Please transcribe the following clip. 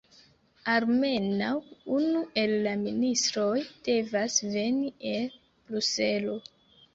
Almenaŭ unu el la ministroj devas veni el Bruselo.